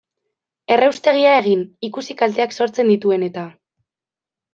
Erraustegia egin, ikusi kalteak sortzen dituen eta...